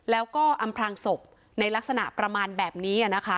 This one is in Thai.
แล้วก็อำพลางศพในลักษณะประมาณแบบนี้นะคะ